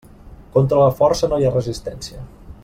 Contra la força no hi ha resistència.